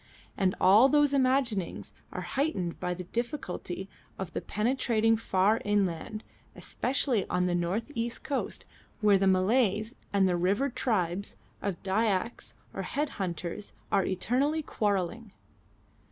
And all those imaginings are heightened by the difficulty of penetrating far inland, especially on the north east coast, where the Malays and the river tribes of Dyaks or Head hunters are eternally quarrelling.